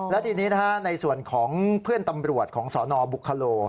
และทีนี้ในส่วนของเพื่อนตำรวจของสนบุคโล